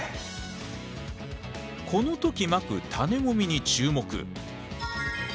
この時まく種もみに注目！